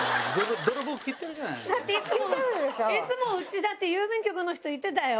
いつもうちだって郵便局の人言ってたよ。